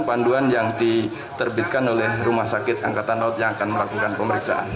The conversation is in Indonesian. panduan yang diterbitkan oleh rumah sakit angkatan laut yang akan melakukan pemeriksaan